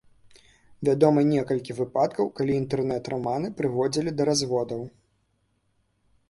Вядома некалькі выпадкаў, калі інтэрнэт раманы прыводзілі да разводаў.